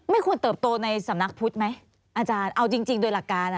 ควรเติบโตในสำนักพุทธไหมอาจารย์เอาจริงโดยหลักการ